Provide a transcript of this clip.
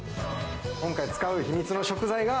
今回使う秘密の食材が。